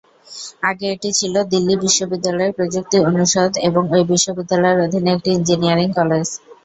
আগে এটি ছিল দিল্লি বিশ্ববিদ্যালয়ের প্রযুক্তি অনুষদ এবং ওই বিশ্ববিদ্যালয়ের অধীনে একটি ইঞ্জিনিয়ারিং কলেজ।